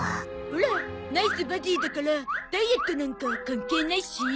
オラナイスバディだからダイエットなんか関係ないし。